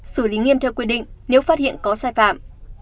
xử lý nghiêm theo quy định nếu phát hiện có sai phạm